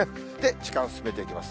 時間進めていきます。